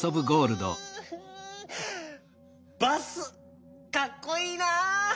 バスかっこいいな！